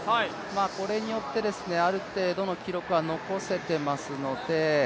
これによってある程度の記録は残せてますので。